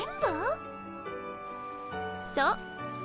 そう。